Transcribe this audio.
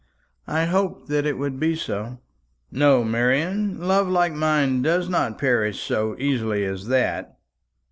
I hoped that it would be so." "No, Marian; love like mine does not perish so easily as that.